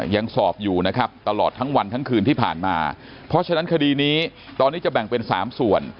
ยังสอบอยู่นะครับตลอดทั้งวันทั้งคืนที่ผ่านมาเพราะฉะนั้นคดีนี้ตอนนี้จะแบ่งเป็น๓ส่วน